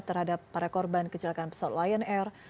terhadap para korban kecelakaan pesawat lion air